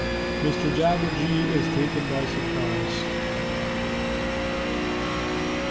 XII _Mr Jabberjee is taken by surprise.